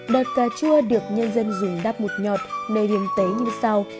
đợt cà chua được nhân dân dùng đắp mụt nhọt nơi viêm tấy như sau